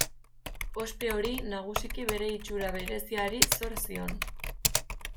Ospe hori nagusiki bere itxura bereziari zor zion.